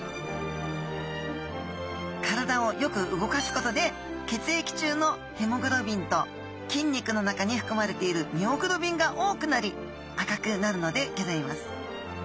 体をよく動かすことで血液中のヘモグロビンと筋肉の中にふくまれているミオグロビンが多くなり赤くなるのでギョざいます。